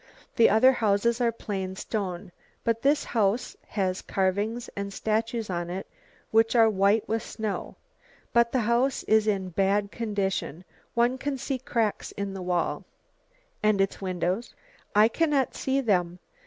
The other houses are plain stone, but this house has carvings and statues on it, which are white with snow. But the house is in bad condition, one can see cracks in the wall." "And its windows?" "I cannot see them.